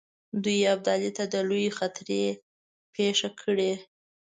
دوی ابدالي ته د لویې خطرې پېښه کړي.